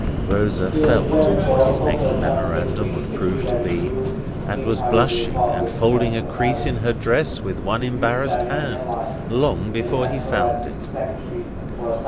Rosa felt what his next memorandum would prove to be, and was blushing and folding a crease in her dress with one embarrassed hand, long before he found it.